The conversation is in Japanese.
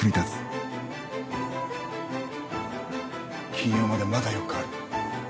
金曜までまだ４日ある。